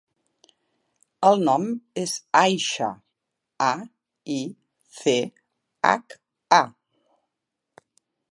El nom és Aicha: a, i, ce, hac, a.